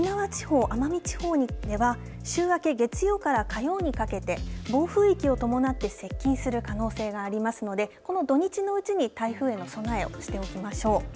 沖縄地方、奄美地方では週明け月曜から火曜にかけて暴風域を伴って接近する可能性がありますのでこの土日のうちに台風への備えをしておきましょう。